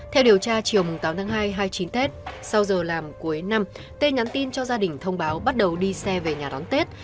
theo điều tra chiều tám tháng hai hai mươi chín tết sau giờ làm cuối năm t nhắn tin cho gia đình thông báo bắt đầu đi xe về nhà đón tết